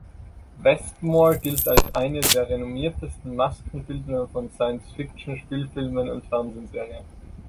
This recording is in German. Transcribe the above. Westmore gilt als einer der renommiertesten Maskenbildner von Science Fiction-Spielfilmen und Fernsehserien.